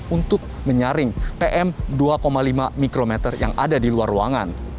untuk menyaring pm dua lima mikrometer yang ada di luar ruangan